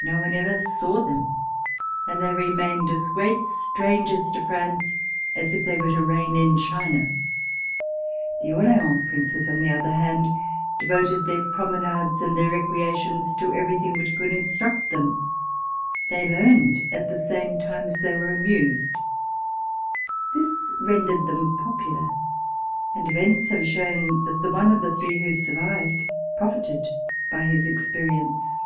No one ever saw them, and they remained as great strangers to France as if they were to reign in China. The Orleans Princes, on the other hand, devoted their promenades and their recreations to everything which could instruct them. They learned at the same time that they were amused. This rendered them popular, and events have shown that the one of the three who survived profited by his experience.